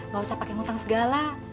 gak usah pake ngutang segala